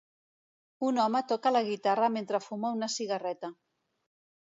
Un home toca la guitarra mentre fuma una cigarreta.